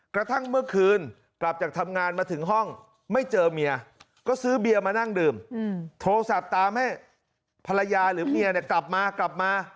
กระทั่งเมื่อคืนกลับจากทำงานมาถึงห้องไม่เจอเมียก็ซื้อเบียร์มานั่งดื่มโทรศัพท์ตามให้ภรรยาหรือเมียกลับมากลับมา